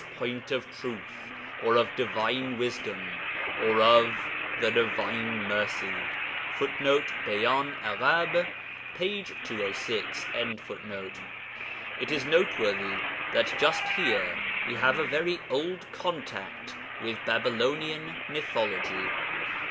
Point of Truth, or of Divine Wisdom, or of the Divine Mercy. [Footnote: Beyan Arabe, p. 206.] It is noteworthy that just here we have a very old contact with Babylonian mythology.